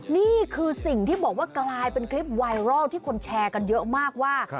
นี่คือสิ่งที่บอกว่ากลายเป็นคลิปไวรัลที่คนแชร์กันเยอะมากว่า